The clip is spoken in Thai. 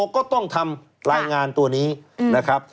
ก็ต้องทำรายงานตัวนี้นะครับ